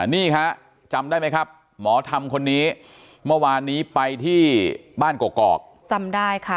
นี่คะจำได้ไหมครับหมอทำคนนี้เมื่อวานนี้ไปที่บ้านกรกอก